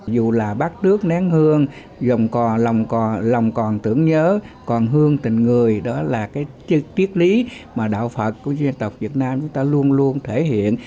dù là bát nước nén hương dòng cò lòng cò lòng còn tưởng nhớ còn hương tình người đó là cái triết lý mà đạo phật của dân tộc việt nam chúng ta luôn luôn thể hiện